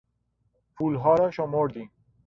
پولها را شمردیم.